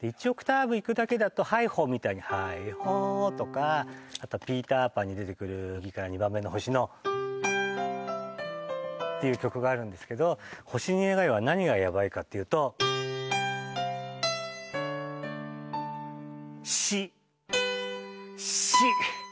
１オクターブいくだけだと「ハイ・ホー」みたいに「ハイ・ホー」とかあと「ピーター・パン」に出てくる「右から２番目の星」のていう曲があるんですけど「星に願いを」は何がヤバいかっていうとシシ！